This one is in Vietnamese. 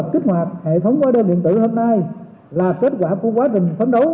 kích hoạt hệ thống hóa đơn điện tử hôm nay là kết quả của quá trình phấn đấu